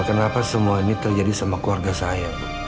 kenapa semua ini terjadi sama keluarga saya